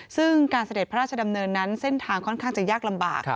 ซึ่งการเสด็จพระราชดำเนินนั้นเส้นทางค่อนข้างจะยากลำบาก